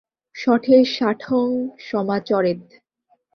শঠে শাঠ্যং সমাচরেৎ।